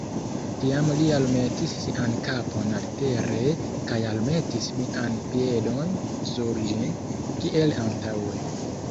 Tiam li almetis sian kapon altere kaj almetis mian piedon sur ĝin, kiel antaŭe.